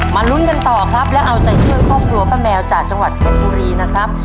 ลุ้นกันต่อครับและเอาใจช่วยครอบครัวป้าแมวจากจังหวัดเพชรบุรีนะครับ